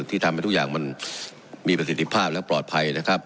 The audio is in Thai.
ทำให้ทุกอย่างมันมีประสิทธิภาพและปลอดภัยนะครับ